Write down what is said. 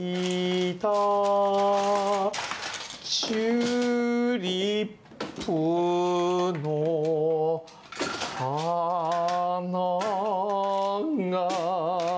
「チューリップのはなが」